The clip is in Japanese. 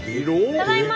ただいま。